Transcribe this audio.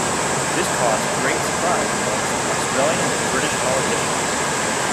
This caused great surprise amongst Australian and British politicians.